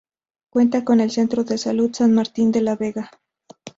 Cuenta con el Centro de Salud San Martín de la Vega.